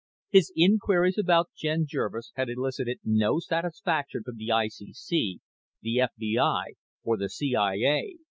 His inquiries about Jen Jervis had elicited no satisfaction from the ICC, the FBI, or the CIA.